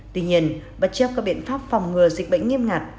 tuy nhiên bất chấp các biện pháp phòng ngừa dịch bệnh nghiêm ngặt